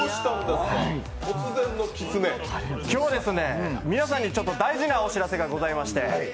今日は皆さんに大事なお知らせがありまして。